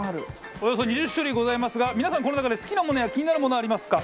およそ２０種類ございますが皆さんこの中で好きなものや気になるものはありますか？